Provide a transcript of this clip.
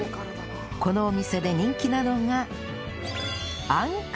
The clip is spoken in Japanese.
このお店で人気なのが